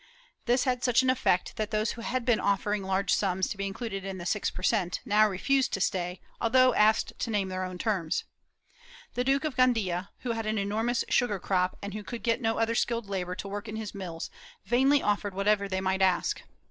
This had such an effect that those who had been offer ing large sums to be included in the six per cent, now refused to stay, although asked to name their own terms. The Duke of * Janer, p. 299. ' Fonseca, pp. 165, 198. 396 MOBISCOS [Book VIII Gandfa, who had an enormous sugar crop and who could get no other skilled labor to work his mills, vainly offered whatever they might ask.